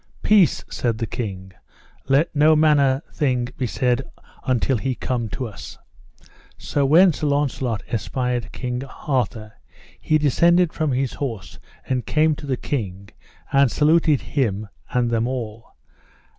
Peace, said the king, let no manner thing be said until he be come to us. So when Sir Launcelot espied King Arthur, he descended from his horse and came to the king, and saluted him and them all.